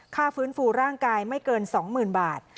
ค่าฟื้นฟูร่างกายไม่เกิน๒๐๐๐บาท